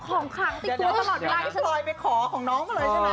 ตอนไปขอของน้อง